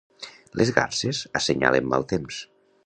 Les garses assenyalen mal temps.